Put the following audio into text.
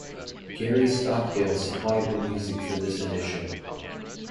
Gary Stockdale supplied the music for this edition.